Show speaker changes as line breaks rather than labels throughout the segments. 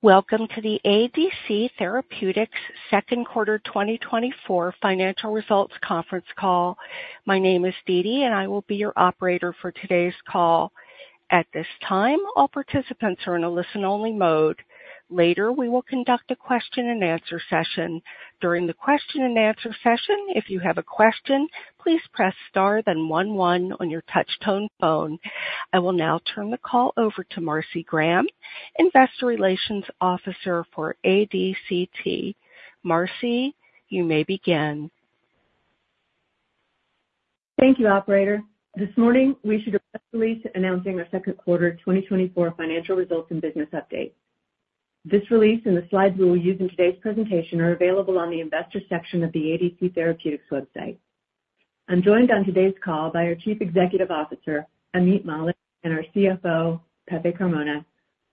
Welcome to the ADC Therapeutics Second Quarter 2024 Financial Results Conference Call. My name is Deedee, and I will be your operator for today's call. At this time, all participants are in a listen-only mode. Later, we will conduct a question-and-answer session. During the question-and-answer session, if you have a question, please press star then one one on your touchtone phone. I will now turn the call over to Marcy Graham, Investor Relations Officer for ADCT. Marcy, you may begin.
Thank you, operator. This morning, we issued a press release announcing our second quarter 2024 financial results and business update. This release and the slides we will use in today's presentation are available on the Investors section of the ADC Therapeutics website. I'm joined on today's call by our Chief Executive Officer, Ameet Mallik, and our CFO, Pepe Carmona,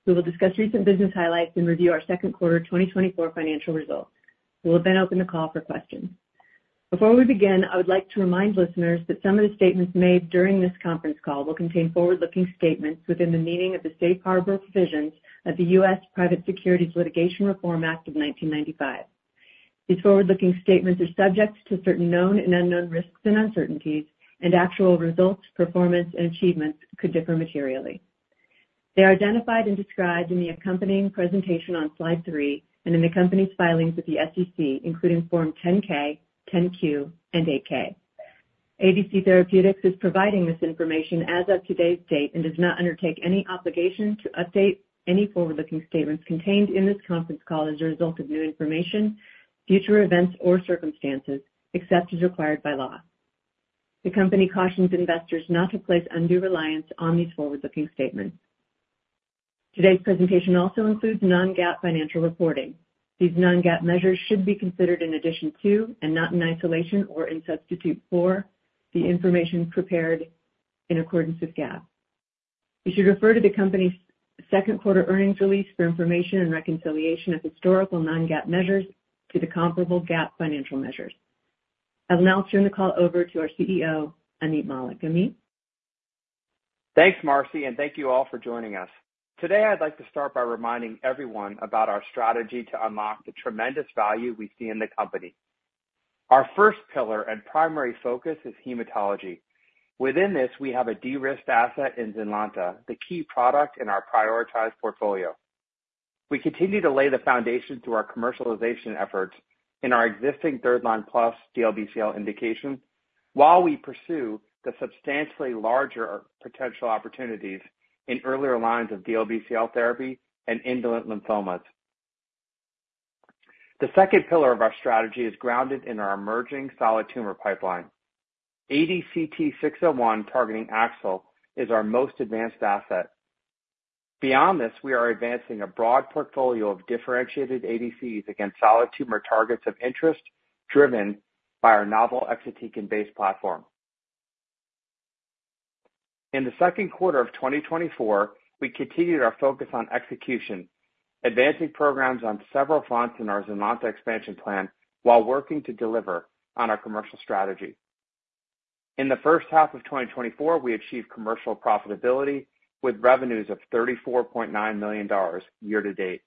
who will discuss recent business highlights and review our second quarter 2024 financial results. We will then open the call for questions. Before we begin, I would like to remind listeners that some of the statements made during this conference call will contain forward-looking statements within the meaning of the Safe Harbor Provisions of the U.S. Private Securities Litigation Reform Act of 1995. These forward-looking statements are subject to certain known and unknown risks and uncertainties, and actual results, performance, and achievements could differ materially. They are identified and described in the accompanying presentation on slide three and in the company's filings with the SEC, including Form 10-K, 10-Q, and 8-K. ADC Therapeutics is providing this information as of today's date and does not undertake any obligation to update any forward-looking statements contained in this conference call as a result of new information, future events, or circumstances, except as required by law. The company cautions investors not to place undue reliance on these forward-looking statements. Today's presentation also includes non-GAAP financial reporting. These non-GAAP measures should be considered in addition to and not in isolation or in substitute for, the information prepared in accordance with GAAP. You should refer to the company's second quarter earnings release for information and reconciliation of historical non-GAAP measures to the comparable GAAP financial measures. I'll now turn the call over to our CEO, Ameet Mallik. Ameet?
Thanks, Marcy, and thank you all for joining us. Today, I'd like to start by reminding everyone about our strategy to unlock the tremendous value we see in the company. Our first pillar and primary focus is hematology. Within this, we have a de-risked asset in ZYNLONTA, the key product in our prioritized portfolio. We continue to lay the foundation through our commercialization efforts in our existing third line plus DLBCL indication, while we pursue the substantially larger potential opportunities in earlier lines of DLBCL therapy and indolent lymphomas. The second pillar of our strategy is grounded in our emerging solid tumor pipeline. ADCT-601 targeting AXL is our most advanced asset. Beyond this, we are advancing a broad portfolio of differentiated ADCs against solid tumor targets of interest, driven by our novel exatecan-based platform. In the second quarter of 2024, we continued our focus on execution, advancing programs on several fronts in our ZYNLONTA expansion plan while working to deliver on our commercial strategy. In the first half of 2024, we achieved commercial profitability with revenues of $34.9 million year-to-date.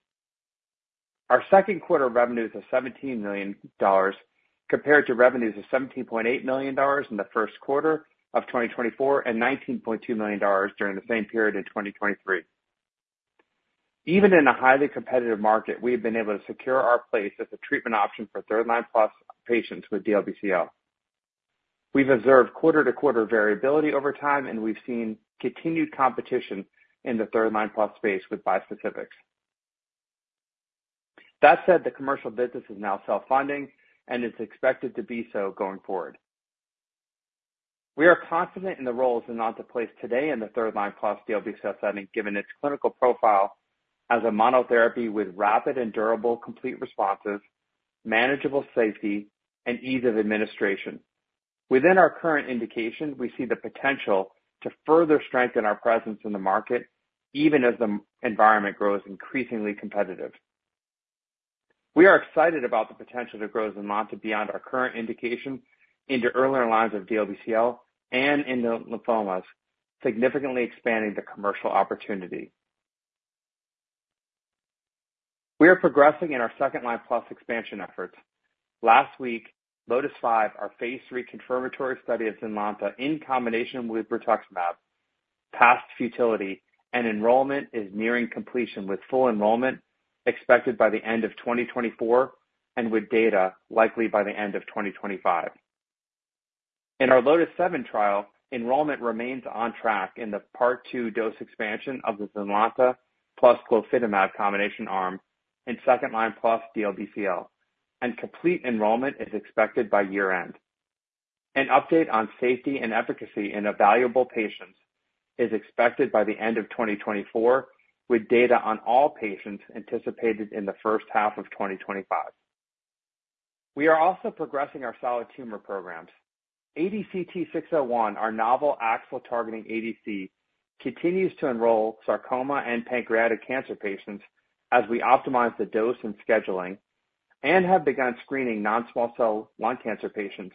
Our second quarter revenues of $17 million compared to revenues of $17.8 million in the first quarter of 2024 and $19.2 million during the same period in 2023. Even in a highly competitive market, we have been able to secure our place as a treatment option for third-line-plus patients with DLBCL. We've observed quarter-to-quarter variability over time, and we've seen continued competition in the third-line-plus space with bispecifics. That said, the commercial business is now self-funding and is expected to be so going forward. We are confident in the role ZYNLONTA plays today in the third-line-plus DLBCL setting, given its clinical profile as a monotherapy with rapid and durable, complete responses, manageable safety, and ease of administration. Within our current indication, we see the potential to further strengthen our presence in the market, even as the environment grows increasingly competitive. We are excited about the potential to grow ZYNLONTA beyond our current indication into earlier lines of DLBCL and in the lymphomas, significantly expanding the commercial opportunity. We are progressing in our second-line-plus expansion efforts. Last week, LOTIS-5, our phase III confirmatory study of ZYNLONTA in combination with rituximab, passed futility and enrollment is nearing completion, with full enrollment expected by the end of 2024 and with data likely by the end of 2025. In our LOTIS-7 trial, enrollment remains on track in the Part II dose expansion of the ZYNLONTA plus glofitamab combination arm in second-line-plus DLBCL, and complete enrollment is expected by year-end. An update on safety and efficacy in evaluable patients is expected by the end of 2024, with data on all patients anticipated in the first half of 2025. We are also progressing our solid tumor programs. ADCT-601, our novel AXL-targeting ADC, continues to enroll sarcoma and pancreatic cancer patients as we optimize the dose and scheduling and have begun screening non-small cell lung cancer patients.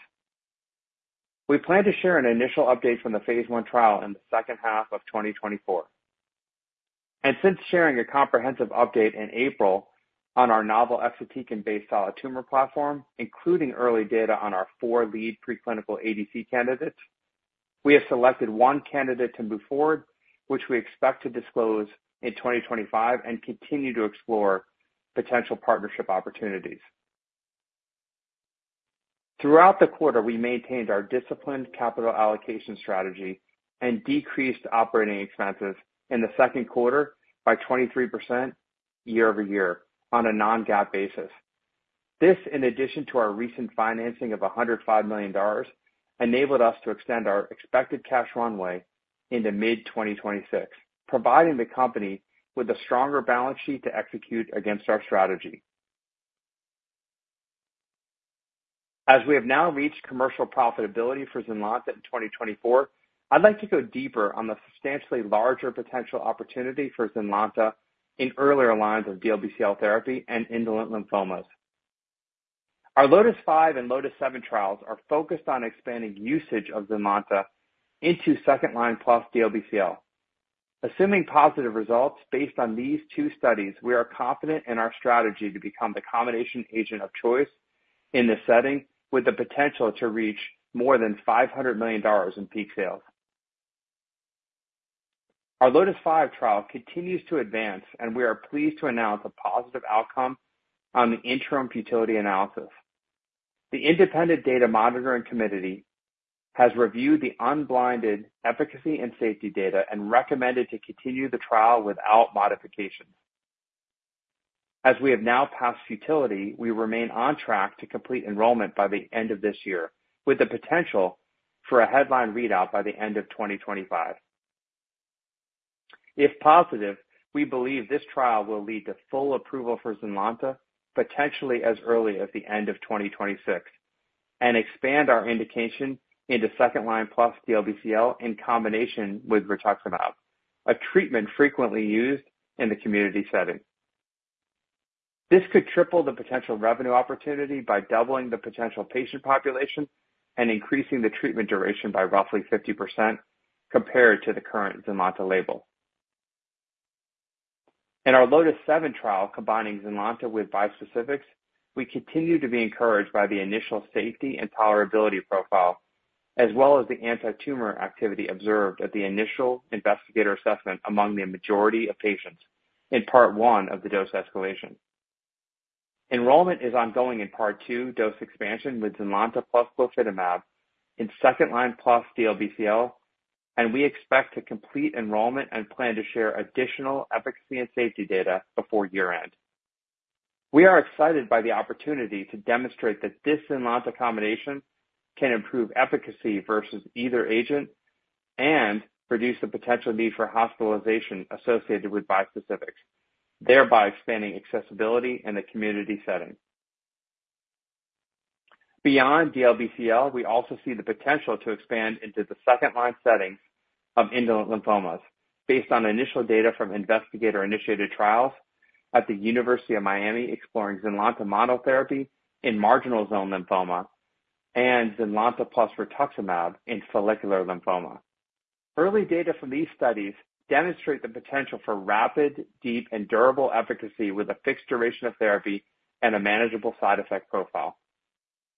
We plan to share an initial update from the phase I trial in the second half of 2024. And since sharing a comprehensive update in April on our novel exatecan-based solid tumor platform, including early data on our four lead preclinical ADC candidates, we have selected one candidate to move forward, which we expect to disclose in 2025 and continue to explore potential partnership opportunities. Throughout the quarter, we maintained our disciplined capital allocation strategy and decreased operating expenses in the second quarter by 23% year-over-year on a non-GAAP basis. This, in addition to our recent financing of $105 million, enabled us to extend our expected cash runway into mid-2026, providing the company with a stronger balance sheet to execute against our strategy. As we have now reached commercial profitability for ZYNLONTA in 2024, I'd like to go deeper on the substantially larger potential opportunity for ZYNLONTA in earlier lines of DLBCL therapy and indolent lymphomas. Our LOTIS-5 and LOTIS-7 trials are focused on expanding usage of ZYNLONTA into second-line plus DLBCL. Assuming positive results based on these two studies, we are confident in our strategy to become the combination agent of choice in this setting, with the potential to reach more than $500 million in peak sales. Our LOTIS-5 trial continues to advance, and we are pleased to announce a positive outcome on the interim futility analysis. The independent data monitoring committee has reviewed the unblinded efficacy and safety data and recommended to continue the trial without modifications. As we have now passed futility, we remain on track to complete enrollment by the end of this year, with the potential for a headline readout by the end of 2025. If positive, we believe this trial will lead to full approval for ZYNLONTA, potentially as early as the end of 2026, and expand our indication into second-line plus DLBCL in combination with rituximab, a treatment frequently used in the community setting. This could triple the potential revenue opportunity by doubling the potential patient population and increasing the treatment duration by roughly 50% compared to the current ZYNLONTA label. In our LOTIS-7 trial, combining ZYNLONTA with bispecifics, we continue to be encouraged by the initial safety and tolerability profile, as well as the antitumor activity observed at the initial investigator assessment among the majority of patients in part one of the dose escalation. Enrollment is ongoing in part two dose expansion with ZYNLONTA plus glofitamab in second-line plus DLBCL, and we expect to complete enrollment and plan to share additional efficacy and safety data before year-end. We are excited by the opportunity to demonstrate that this ZYNLONTA combination can improve efficacy versus either agent and reduce the potential need for hospitalization associated with bispecifics, thereby expanding accessibility in the community setting. Beyond DLBCL, we also see the potential to expand into the second-line setting of indolent lymphomas based on initial data from investigator-initiated trials at the University of Miami, exploring ZYNLONTA monotherapy in marginal zone lymphoma and ZYNLONTA plus rituximab in follicular lymphoma. Early data from these studies demonstrate the potential for rapid, deep and durable efficacy with a fixed duration of therapy and a manageable side effect profile.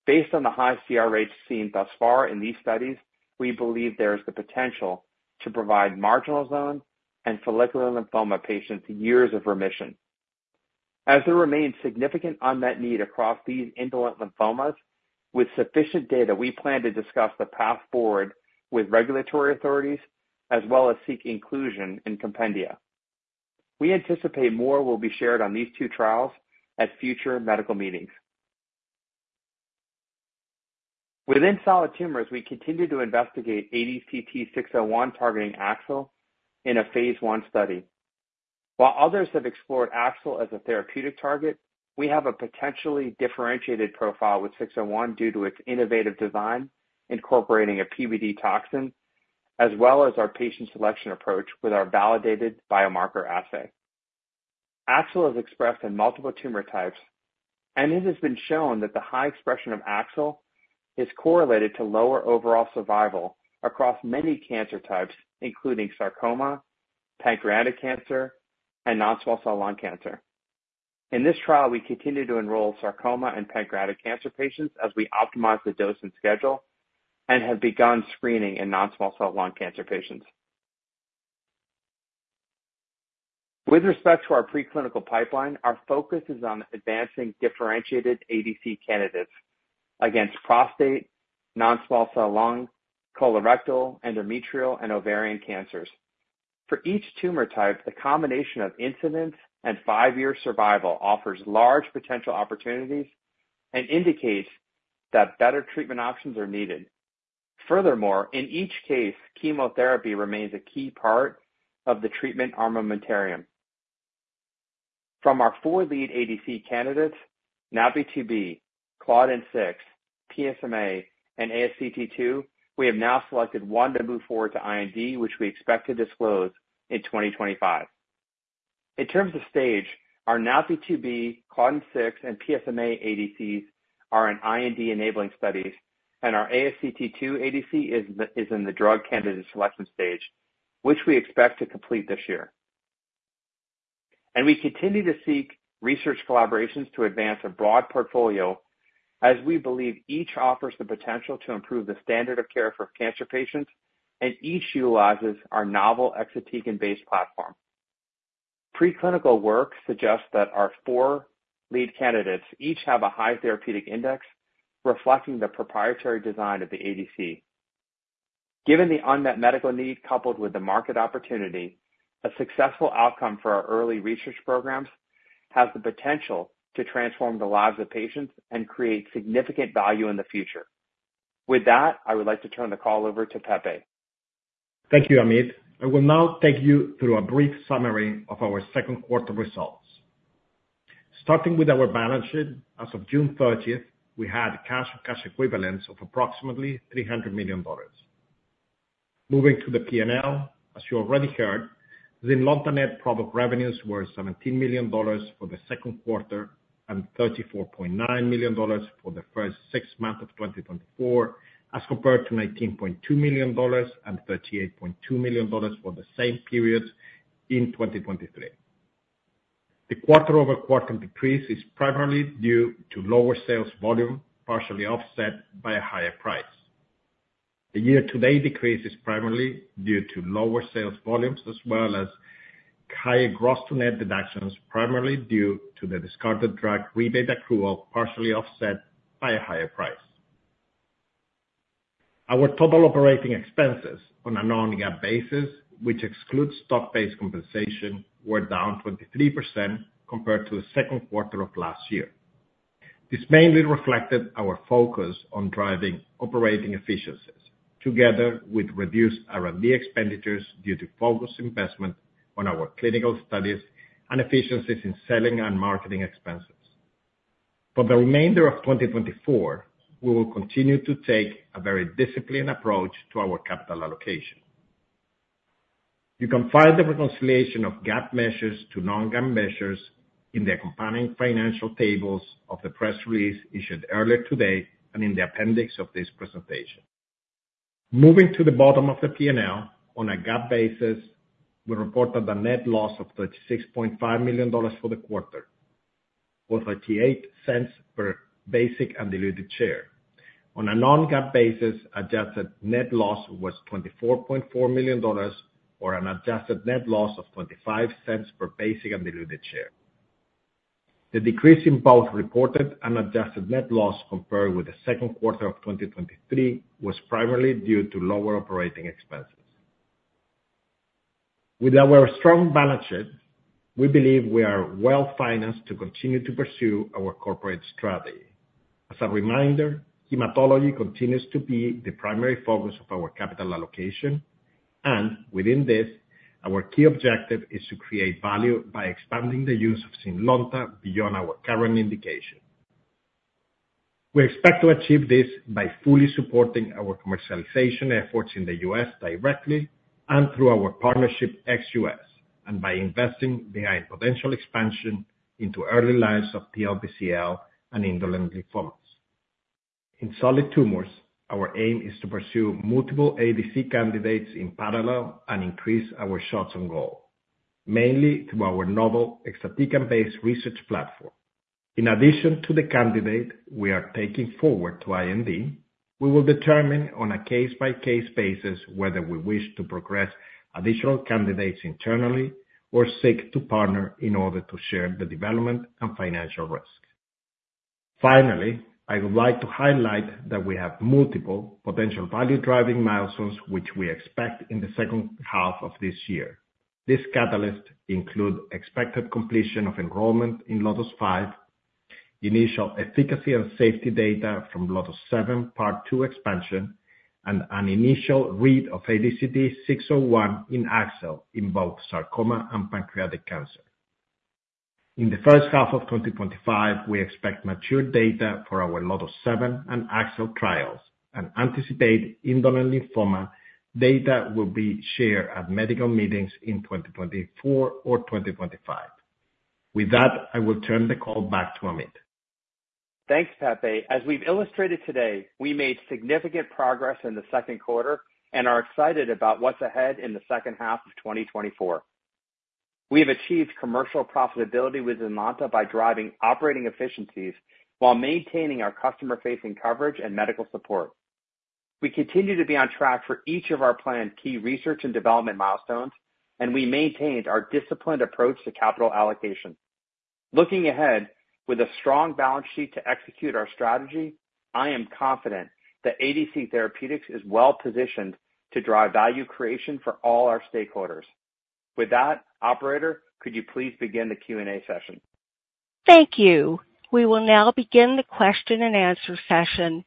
Based on the high CR rates seen thus far in these studies, we believe there is the potential to provide marginal zone and follicular lymphoma patients years of remission. As there remains significant unmet need across these indolent lymphomas, with sufficient data, we plan to discuss the path forward with regulatory authorities, as well as seek inclusion in compendia. We anticipate more will be shared on these two trials at future medical meetings. Within solid tumors, we continue to investigate ADCT-601 targeting AXL in a phase I study. While others have explored AXL as a therapeutic target, we have a potentially differentiated profile with 601 due to its innovative design, incorporating a PBD toxin, as well as our patient selection approach with our validated biomarker assay. AXL is expressed in multiple tumor types, and it has been shown that the high expression of AXL is correlated to lower overall survival across many cancer types, including sarcoma, pancreatic cancer, and non-small cell lung cancer. In this trial, we continue to enroll sarcoma and pancreatic cancer patients as we optimize the dose and schedule, and have begun screening in non-small cell lung cancer patients. With respect to our preclinical pipeline, our focus is on advancing differentiated ADC candidates against prostate, non-small cell lung, colorectal, endometrial, and ovarian cancers. For each tumor type, the combination of incidence and five-year survival offers large potential opportunities and indicates that better treatment options are needed. Furthermore, in each case, chemotherapy remains a key part of the treatment armamentarium. From our four lead ADC candidates, NaPi2b, Claudin-6, PSMA, and ASCT2, we have now selected one to move forward to IND, which we expect to disclose in 2025. In terms of stage, our NaPi2b, Claudin-6, and PSMA ADCs are in IND-enabling studies, and our ASCT2 ADC is in the drug candidate selection stage, which we expect to complete this year. We continue to seek research collaborations to advance a broad portfolio, as we believe each offers the potential to improve the standard of care for cancer patients, and each utilizes our novel exatecan-based platform. Preclinical work suggests that our four lead candidates each have a high therapeutic index, reflecting the proprietary design of the ADC. Given the unmet medical need, coupled with the market opportunity, a successful outcome for our early research programs has the potential to transform the lives of patients and create significant value in the future. With that, I would like to turn the call over to Pepe.
Thank you, Ameet. I will now take you through a brief summary of our second quarter results. Starting with our balance sheet, as of June 30th, we had cash or cash equivalents of approximately $300 million. Moving to the P&L, as you already heard, ZYNLONTA net product revenues were $17 million for the second quarter and $34.9 million for the first six months of 2024, as compared to $19.2 million and $38.2 million for the same periods in 2023. The quarter-over-quarter decrease is primarily due to lower sales volume, partially offset by a higher price. The year-to-date decrease is primarily due to lower sales volumes as well as higher gross-to-net deductions, primarily due to the discarded drug rebate accrual, partially offset by a higher price. Our total operating expenses on a non-GAAP basis, which excludes stock-based compensation, were down 23% compared to the second quarter of last year. This mainly reflected our focus on driving operating efficiencies, together with reduced R&D expenditures due to focused investment on our clinical studies and efficiencies in selling and marketing expenses. For the remainder of 2024, we will continue to take a very disciplined approach to our capital allocation. You can find the reconciliation of GAAP measures to non-GAAP measures in the accompanying financial tables of the press release issued earlier today and in the appendix of this presentation. Moving to the bottom of the P&L, on a GAAP basis, we reported a net loss of $36.5 million for the quarter, or 38 cents per basic and diluted share. On a non-GAAP basis, adjusted net loss was $24.4 million or an adjusted net loss of $0.25 per basic and diluted share. The decrease in both reported and adjusted net loss compared with the second quarter of 2023 was primarily due to lower operating expenses. With our strong balance sheet, we believe we are well-financed to continue to pursue our corporate strategy. As a reminder, hematology continues to be the primary focus of our capital allocation, and within this, our key objective is to create value by expanding the use of ZYNLONTA beyond our current indication. We expect to achieve this by fully supporting our commercialization efforts in the U.S. directly and through our partnership ex-U.S., and by investing behind potential expansion into early lines of DLBCL and indolent lymphomas. In solid tumors, our aim is to pursue multiple ADC candidates in parallel and increase our shots on goal, mainly through our novel exatecan-based research platform. In addition to the candidate we are taking forward to IND, we will determine on a case-by-case basis whether we wish to progress additional candidates internally or seek to partner in order to share the development and financial risk. Finally, I would like to highlight that we have multiple potential value-driving milestones, which we expect in the second half of this year. These catalysts include expected completion of enrollment in LOTIS-5, initial efficacy and safety data from LOTIS-7, part II expansion, and an initial read of ADCT-601 in AXL in both sarcoma and pancreatic cancer. In the first half of 2025, we expect mature data for our LOTIS-7 and AXL trials, and anticipate indolent lymphoma data will be shared at medical meetings in 2024 or 2025. With that, I will turn the call back to Ameet.
Thanks, Pepe. As we've illustrated today, we made significant progress in the second quarter and are excited about what's ahead in the second half of 2024. We have achieved commercial profitability with ZYNLONTA by driving operating efficiencies while maintaining our customer-facing coverage and medical support. We continue to be on track for each of our planned key research and development milestones, and we maintained our disciplined approach to capital allocation. Looking ahead, with a strong balance sheet to execute our strategy, I am confident that ADC Therapeutics is well-positioned to drive value creation for all our stakeholders. With that, operator, could you please begin the Q&A session?
Thank you. We will now begin the question-and-answer session.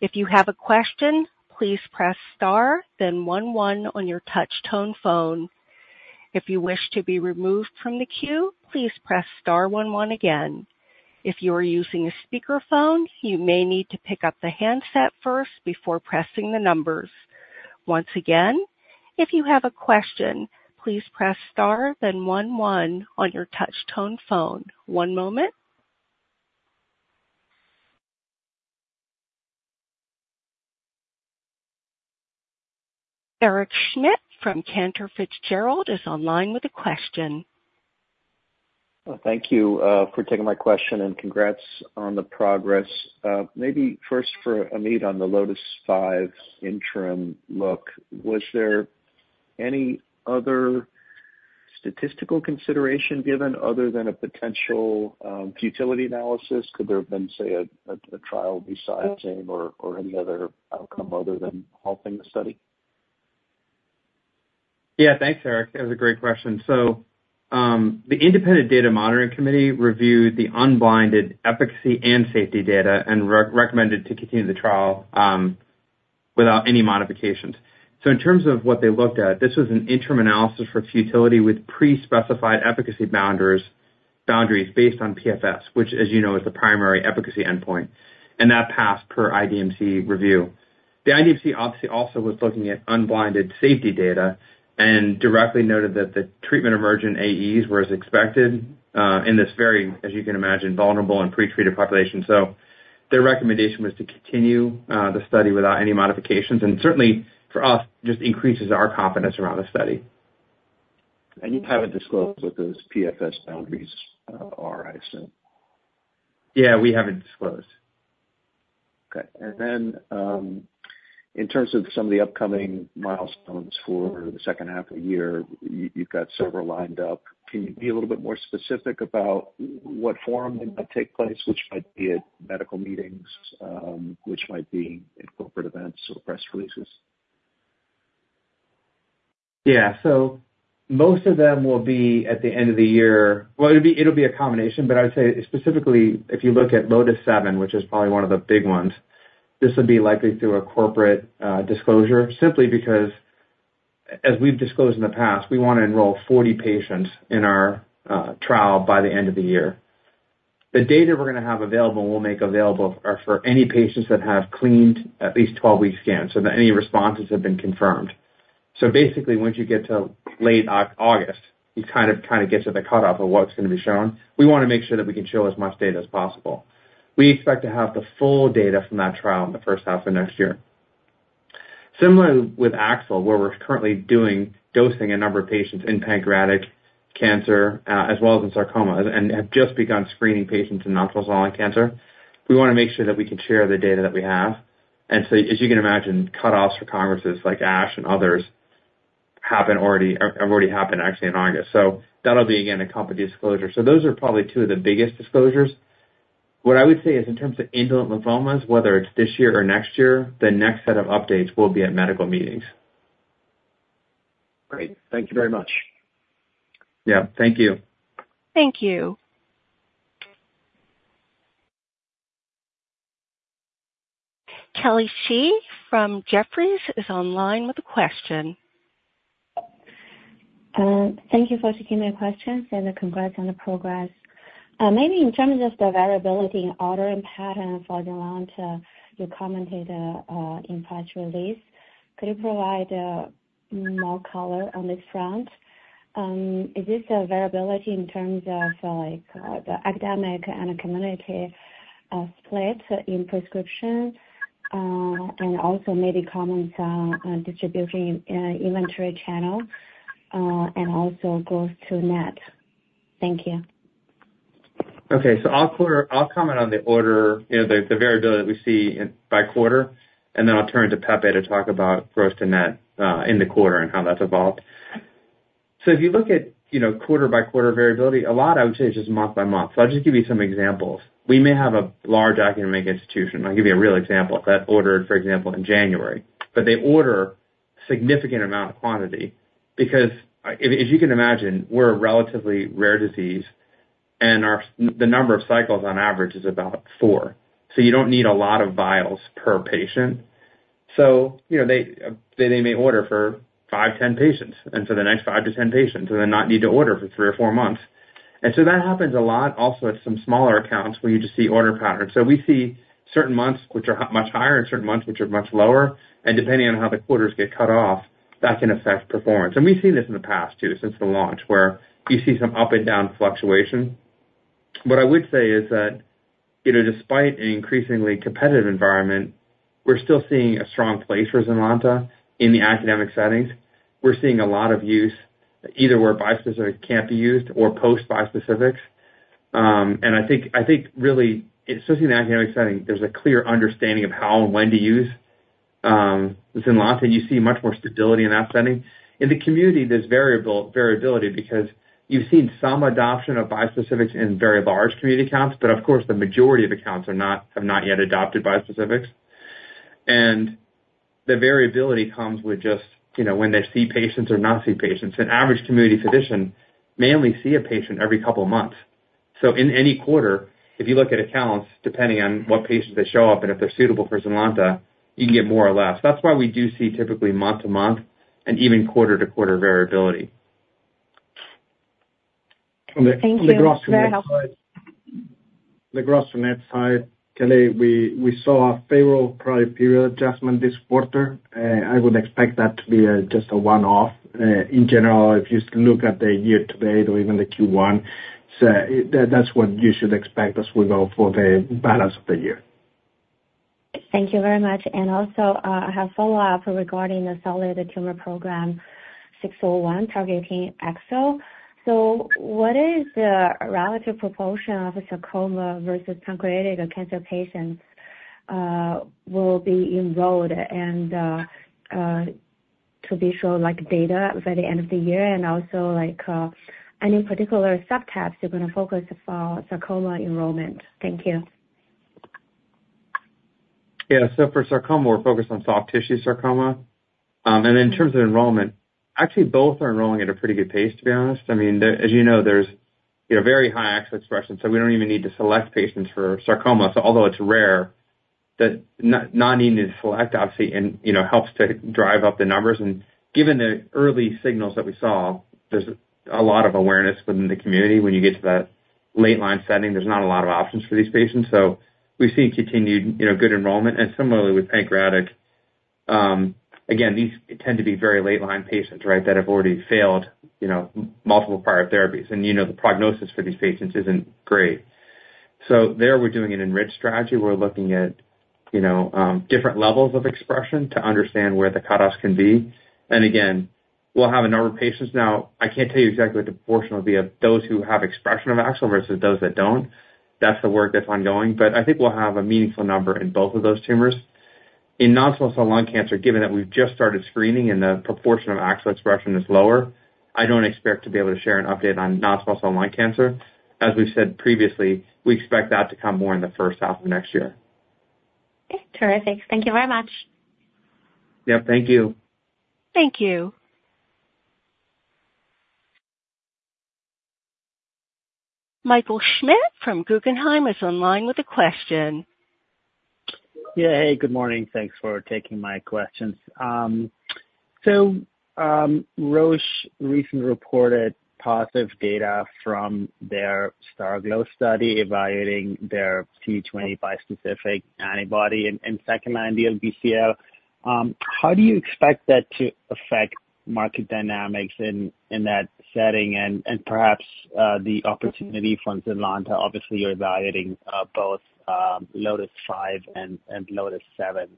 If you have a question, please press star, then one, one on your touch tone phone. If you wish to be removed from the queue, please press star one, one again. If you are using a speakerphone, you may need to pick up the handset first before pressing the numbers.... Once again, if you have a question, please press star then one one on your touchtone phone. One moment. Eric Schmidt from Cantor Fitzgerald is online with a question.
Well, thank you for taking my question, and congrats on the progress. Maybe first for Ameet on the LOTIS-5 interim look. Was there any other statistical consideration given other than a potential futility analysis? Could there have been, say, a trial besides the same or any other outcome other than halting the study?
Yeah, thanks, Eric. That was a great question. So, the independent data monitoring committee reviewed the unblinded efficacy and safety data and recommended to continue the trial without any modifications. So in terms of what they looked at, this was an interim analysis for futility with pre-specified efficacy boundaries based on PFS, which, as you know, is the primary efficacy endpoint, and that passed per IDMC review. The IDMC obviously also was looking at unblinded safety data and directly noted that the treatment emergent AEs were as expected in this very, as you can imagine, vulnerable and pre-treated population. So their recommendation was to continue the study without any modifications, and certainly for us, just increases our confidence around the study.
You haven't disclosed what those PFS boundaries are, I assume?
Yeah, we haven't disclosed.
Okay. And then, in terms of some of the upcoming milestones for the second half of the year, you've got several lined up. Can you be a little bit more specific about what forum they might take place, which might be at medical meetings, which might be in corporate events or press releases?
Yeah. So most of them will be at the end of the year. Well, it'll be a combination, but I would say specifically, if you look at LOTIS-7, which is probably one of the big ones, this would be likely through a corporate disclosure, simply because, as we've disclosed in the past, we want to enroll 40 patients in our trial by the end of the year. The data we're gonna have available and we'll make available are for any patients that have cleared at least 12-week scans, so that any responses have been confirmed. So basically, once you get to late August, it kind of gets to the cutoff of what's going to be shown. We want to make sure that we can show as much data as possible. We expect to have the full data from that trial in the first half of next year. Similarly, with AXL, where we're currently doing dosing a number of patients in pancreatic cancer, as well as in sarcoma, and have just begun screening patients in non-small cell lung cancer. We want to make sure that we can share the data that we have. And so, as you can imagine, cutoffs for congresses like ASH and others happen already, or have already happened actually in August. So that'll be, again, a company disclosure. So those are probably two of the biggest disclosures. What I would say is in terms of indolent lymphomas, whether it's this year or next year, the next set of updates will be at medical meetings.
Great. Thank you very much.
Yeah, thank you.
Thank you. Kelly Shi from Jefferies is online with a question.
Thank you for taking my question, and congrats on the progress. Maybe in terms of the variability in ordering pattern for the launch, you commented in press release. Could you provide more color on this front? Is this a variability in terms of, like, the academic and community split in prescription? And also maybe comments on, on distribution, inventory channel, and also gross-to-net. Thank you.
Okay. So I'll comment on the order, you know, the variability that we see in by quarter, and then I'll turn to Pepe to talk about gross-to-net in the quarter and how that's evolved. So if you look at, you know, quarter by quarter variability, a lot I would say is just month by month. So I'll just give you some examples. We may have a large academic institution, I'll give you a real example, that ordered, for example, in January, but they order significant amount of quantity because if you can imagine, we're a relatively rare disease and the number of cycles on average is about four. So you don't need a lot of vials per patient. So you know, they may order for five, 10 patients, and for the next five to 10 patients, and then not need to order for three or four months. And so that happens a lot also at some smaller accounts, where you just see order patterns. So we see certain months which are much higher and certain months which are much lower, and depending on how the quarters get cut off, that can affect performance. And we've seen this in the past, too, since the launch, where you see some up and down fluctuation. What I would say is that, you know, despite an increasingly competitive environment, we're still seeing a strong place for ZYNLONTA in the academic settings. We're seeing a lot of use, either where bispecific can't be used or post bispecifics. And I think, I think really, especially in the academic setting, there's a clear understanding of how and when to use ZYNLONTA. You see much more stability in that setting. In the community, there's variability because you've seen some adoption of bispecifics in very large community accounts, but of course, the majority of accounts are not, have not yet adopted bispecifics. And the variability comes with just, you know, when they see patients or not see patients. An average community physician may only see a patient every couple of months. So in any quarter, if you look at accounts, depending on what patients that show up and if they're suitable for ZYNLONTA, you can get more or less. That's why we do see typically month-to-month and even quarter-to-quarter variability.
On the gross to net side, Kelly, we saw a favorable prior period adjustment this quarter. I would expect that to be just a one-off. In general, if you look at the year to date or even the Q1, so that's what you should expect as we go for the balance of the year.
Thank you very much. And also, I have a follow-up regarding the solid tumor program 601, targeting AXL. So what is the relative proportion of sarcoma versus pancreatic cancer patients will be enrolled and to be shown like data by the end of the year? And also, like, any particular subtypes you're gonna focus for sarcoma enrollment? Thank you.
Yeah. So for sarcoma, we're focused on soft tissue sarcoma. And in terms of enrollment, actually both are enrolling at a pretty good pace, to be honest. I mean, as you know, there's, you know, very high AXL expression, so we don't even need to select patients for sarcoma. So although it's rare, that not needing to select, obviously, and, you know, helps to drive up the numbers. And given the early signals that we saw, there's a lot of awareness within the community. When you get to that late line setting, there's not a lot of options for these patients. So we've seen continued, you know, good enrollment. And similarly with pancreatic, again, these tend to be very late line patients, right? That have already failed, you know, multiple prior therapies. And, you know, the prognosis for these patients isn't great. So there, we're doing an enriched strategy. We're looking at, you know, different levels of expression to understand where the cutoffs can be. And again, we'll have a number of patients. Now, I can't tell you exactly what the proportion will be of those who have expression of AXL versus those that don't. That's the work that's ongoing, but I think we'll have a meaningful number in both of those tumors. In non-small cell lung cancer, given that we've just started screening and the proportion of AXL expression is lower, I don't expect to be able to share an update on non-small cell lung cancer. As we've said previously, we expect that to come more in the first half of next year.
Okay, terrific. Thank you very much.
Yeah, thank you.
Thank you. Michael Schmidt from Guggenheim is online with a question.
Yeah, hey, good morning. Thanks for taking my questions. So, Roche recently reported positive data from their STARGLO study evaluating their CD20 bispecific antibody in second-line DLBCL. How do you expect that to affect market dynamics in that setting and perhaps the opportunity for ZYNLONTA? Obviously, you're evaluating both LOTIS-5 and LOTIS-7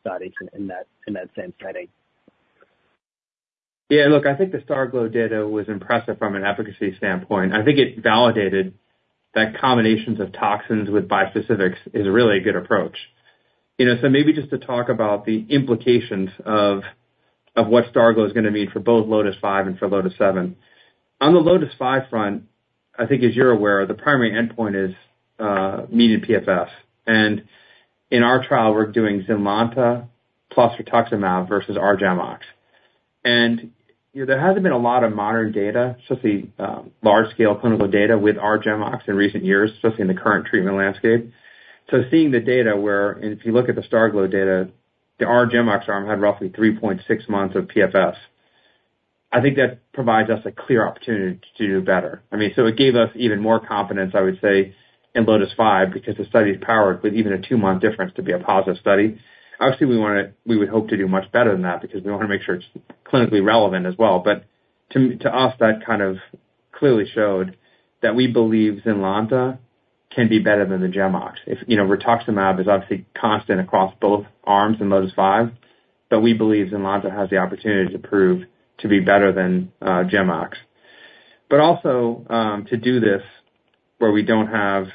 studies in that same setting.
Yeah, look, I think the STARGLO data was impressive from an efficacy standpoint. I think it validated that combinations of toxins with bispecifics is a really good approach. You know, so maybe just to talk about the implications of what STARGLO is gonna mean for both LOTIS-5 and for LOTIS-7. On the LOTIS-5 front, I think as you're aware, the primary endpoint is median PFS, and in our trial, we're doing ZYNLONTA plus rituximab versus R-GemOx. And, you know, there hasn't been a lot of modern data, especially large scale clinical data with R-GemOx in recent years, especially in the current treatment landscape. So seeing the data where -- and if you look at the STARGLO data, the R-GemOx arm had roughly 3.6 months of PFS. I think that provides us a clear opportunity to do better. I mean, so it gave us even more confidence, I would say, in LOTIS-5, because the study is powered with even a two-month difference to be a positive study. Obviously, we wanna—we would hope to do much better than that because we wanna make sure it's clinically relevant as well. But to us, that kind of clearly showed that we believe ZYNLONTA can be better than GemOx. If, you know, rituximab is obviously constant across both arms in LOTIS-5, but we believe ZYNLONTA has the opportunity to prove to be better than GemOx. But also, to do this where we don't have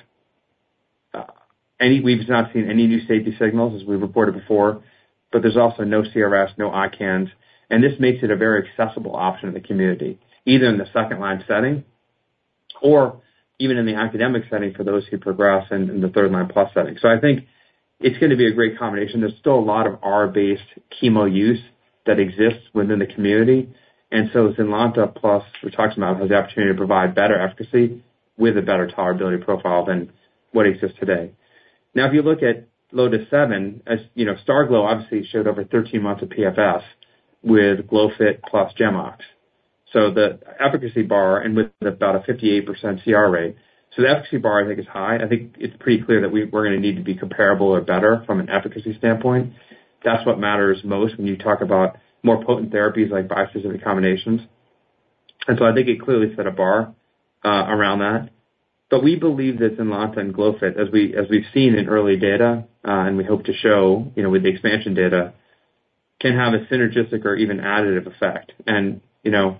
any—we've not seen any new safety signals, as we've reported before, but there's also no CRS, no ICANS, and this makes it a very accessible option in the community, either in the second line setting or even in the academic setting for those who progress in the third line plus setting. So I think it's gonna be a great combination. There's still a lot of R-based chemo use that exists within the community, and so ZYNLONTA plus rituximab has the opportunity to provide better efficacy with a better tolerability profile than what exists today. Now, if you look at LOTIS-7, as you know, STARGLO obviously showed over 13 months of PFS with glofitamab plus GemOx. So the efficacy bar, and with about a 58% CR rate. So the efficacy bar, I think, is high. I think it's pretty clear that we're gonna need to be comparable or better from an efficacy standpoint. That's what matters most when you talk about more potent therapies like bispecific combinations. And so I think it clearly set a bar around that. But we believe that ZYNLONTA and glofitamab, as we've seen in early data, and we hope to show, you know, with the expansion data, can have a synergistic or even additive effect. And, you know,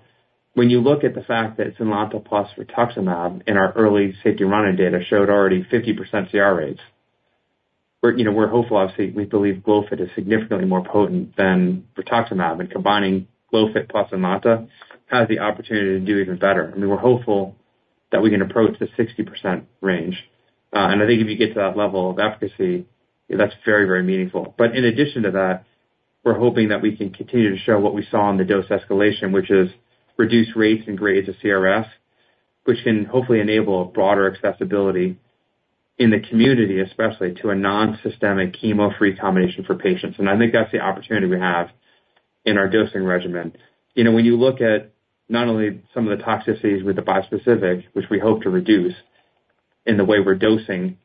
when you look at the fact that ZYNLONTA plus rituximab in our early safety running data showed already 50% CR rates, we're, you know, we're hopeful, obviously, we believe glofitamab is significantly more potent than rituximab, and combining glofitamab plus ZYNLONTA has the opportunity to do even better. I mean, we're hopeful that we can approach the 60% range. And I think if you get to that level of efficacy, that's very, very meaningful. But in addition to that, we're hoping that we can continue to show what we saw in the dose escalation, which is reduce rates and grades of CRS, which can hopefully enable a broader accessibility in the community, especially to a nonsystemic chemo-free combination for patients, and I think that's the opportunity we have in our dosing regimen. You know, when you look at not only some of the toxicities with the bispecific, which we hope to reduce in the way we're dosing,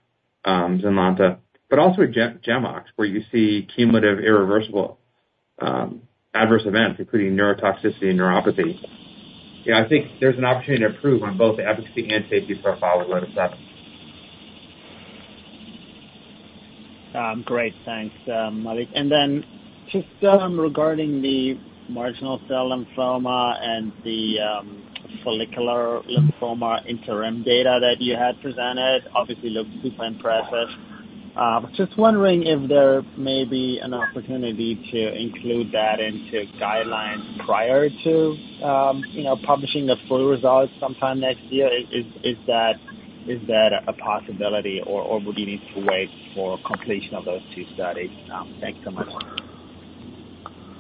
ZYNLONTA, but also GemOx, where you see cumulative, irreversible adverse events, including neurotoxicity and neuropathy. Yeah, I think there's an opportunity to improve on both efficacy and safety profile with ZYNLONTA.
Great. Thanks, Mallik. And then just regarding the marginal zone lymphoma and the follicular lymphoma interim data that you had presented, obviously looks super impressive. Just wondering if there may be an opportunity to include that into guidelines prior to you know publishing the full results sometime next year. Is that a possibility, or would you need to wait for completion of those two studies? Thanks so much.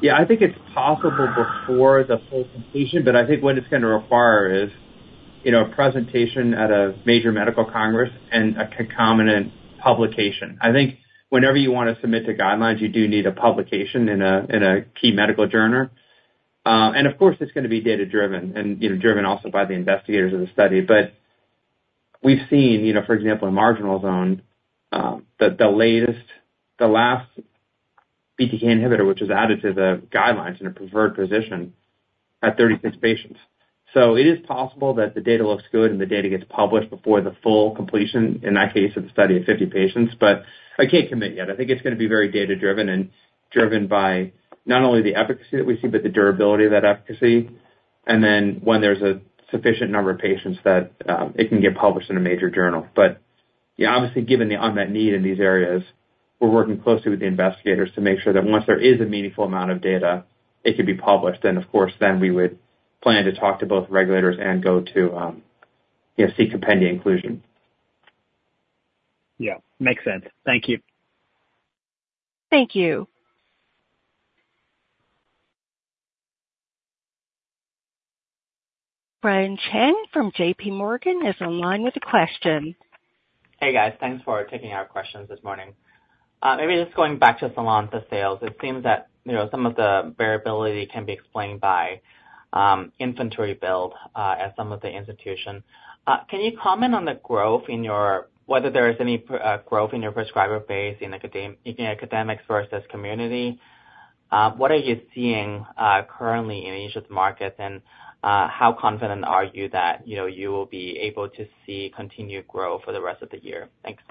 Yeah, I think it's possible before the full completion, but I think what it's gonna require is, you know, a presentation at a major medical congress and a concomitant publication. I think whenever you wanna submit to guidelines, you do need a publication in a, in a key medical journal. And of course, it's gonna be data driven and, you know, driven also by the investigators of the study. But we've seen, you know, for example, in marginal zone, the latest, the last BTK inhibitor, which was added to the guidelines in a preferred position, had 36 patients. So it is possible that the data looks good and the data gets published before the full completion, in that case, it's a study of 50 patients, but I can't commit yet. I think it's gonna be very data driven and driven by not only the efficacy that we see, but the durability of that efficacy. And then when there's a sufficient number of patients that it can get published in a major journal. But yeah, obviously, given the unmet need in these areas, we're working closely with the investigators to make sure that once there is a meaningful amount of data, it can be published. Then, of course, then we would plan to talk to both regulators and go to, you know, seek compendia inclusion.
Yeah, makes sense. Thank you.
Thank you. Brian Cheng from J.P. Morgan is online with a question.
Hey, guys. Thanks for taking our questions this morning. Maybe just going back to ZYNLONTA sales, it seems that, you know, some of the variability can be explained by inventory build at some of the institutions. Can you comment on the growth in your prescriber base, whether there is any growth in your prescriber base in academics versus community? What are you seeing currently in Asia's markets? And how confident are you that, you know, you will be able to see continued growth for the rest of the year? Thanks.